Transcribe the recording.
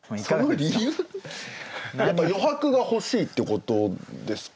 やっぱ余白が欲しいってことですか？